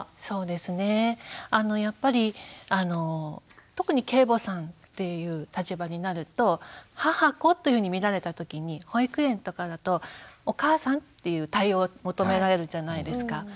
そうですねあのやっぱりあの特に継母さんっていう立場になると母子というふうに見られた時に保育園とかだとお母さんっていう対応を求められるじゃないですか。